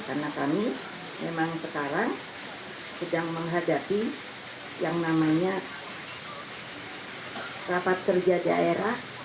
karena kami memang sekarang sedang menghadapi yang namanya rapat kerja daerah